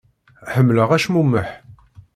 Ḥemmleɣ acmumeḥ.